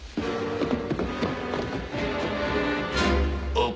あっ！